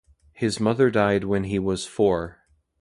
His mother died when he was four.